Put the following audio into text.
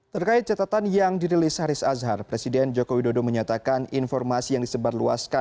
terkait catatan yang dirilis haris azhar presiden joko widodo menyatakan informasi yang disebarluaskan